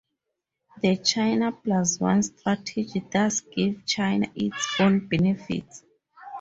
The China Plus One strategy does give China its own benefits.